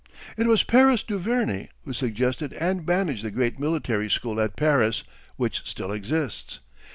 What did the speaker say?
It was Paris Duverney who suggested and managed the great military school at Paris, which still exists.